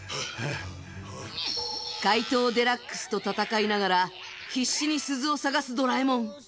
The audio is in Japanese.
怪盗ＤＸと戦いながら必死に鈴を探すドラえもん。